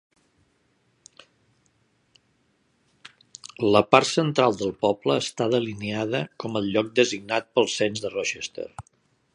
La part central del poble està delineada com el lloc designat pel cens de Rochester.